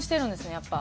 やっぱ。